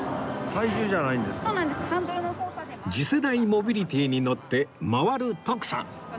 次世代モビリティに乗って回る徳さん